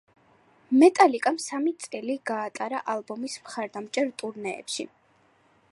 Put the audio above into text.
მეტალიკამ სამი წელის გაატარა ალბომის მხარდამჭერ ტურნეებში.